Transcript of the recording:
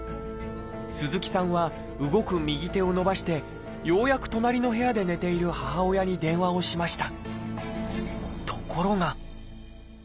鈴木さんは動く右手を伸ばしてようやく隣の部屋で寝ている母親に電話をしました。